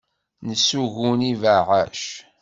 Nessugun ibeɛɛac.